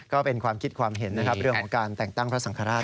ก็เป็นความคิดความเห็นนะครับเรื่องของการแต่งตั้งพระสังฆราช